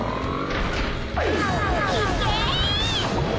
いけ！